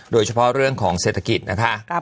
โดยเฉพาะเรื่องของเศรษฐกิจนะคะ